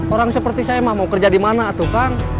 orang seperti saya mah mau kerja dimana tuh kang